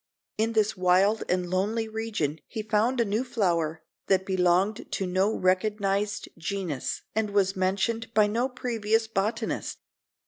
In this wild and lonely region he found a new flower, that belonged to no recognized genus, and was mentioned by no previous botanist.